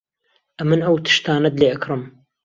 ئەمن ئەو تشتانەت لێ ئەکڕم.